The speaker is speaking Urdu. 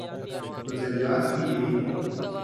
نظریات بھی یہی ہوں۔